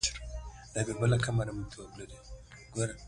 ازادي راډیو د ټولنیز بدلون د اړونده قوانینو په اړه معلومات ورکړي.